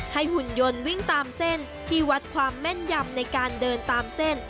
หุ่นยนต์วิ่งตามเส้นที่วัดความแม่นยำในการเดินตามเส้น